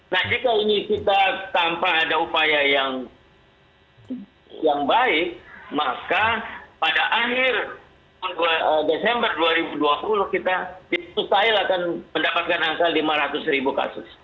nah jika ini kita tanpa ada upaya yang baik maka pada akhir desember dua ribu dua puluh kita di mustahil akan mendapatkan angka lima ratus ribu kasus